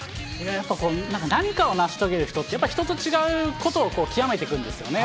やっぱり、何かを成し遂げる人ってやっぱ人と違うことを究めていくんですよね。